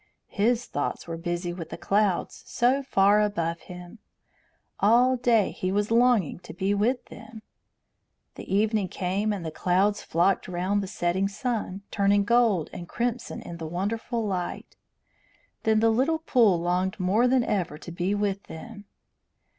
His thoughts were busy with the clouds so far above him; all day he was longing to be with them. The evening came and the clouds flocked round the setting sun, turning gold and crimson in the wonderful light; then the little pool longed more than ever to be with them.